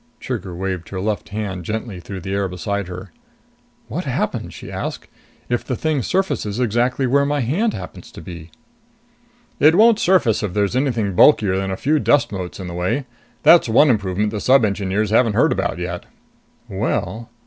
Trigger waved her left hand gently through the air beside her. "What happens," she asked, "if the thing surfaces exactly where my hand happens to be?" "It won't surface if there's anything bulkier than a few dust motes in the way. That's one improvement the Sub Engineers haven't heard about yet." "Well...."